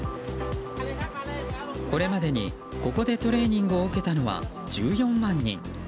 これまでに、ここでトレーニングを受けたのは１４万人。